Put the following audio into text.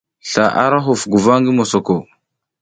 Sla ara huf guva ngi mosako.